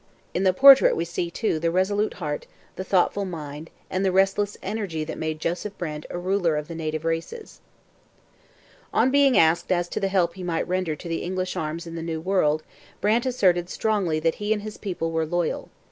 In the portrait we see, too, the resolute heart, the thoughtful mind, and the restless energy that made Joseph Brant a ruler of the native races. On being asked as to the help he might render to the English arms in the New World, Brant asserted strongly that he and his people were loyal.